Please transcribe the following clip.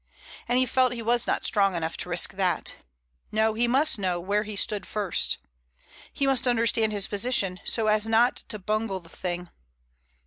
And he felt he was not strong enough to risk that. No, he must know where he stood first. He must understand his position, so as not to bungle the thing.